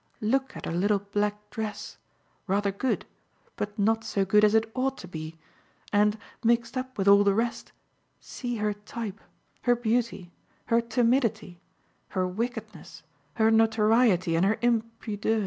Look at her little black dress rather good, but not so good as it ought to be, and, mixed up with all the rest, see her type, her beauty, her timidity, her wickedness, her notoriety and her impudeur.